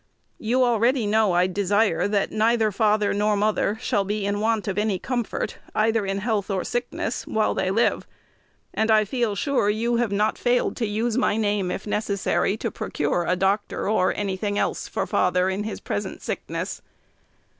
You already know I desire that neither father nor mother shall be in want of any comfort, either in health or sickness, while they live; and I feel sure you have not failed to use my name, if necessary, to procure a doctor or any thing else for father in his present sickness.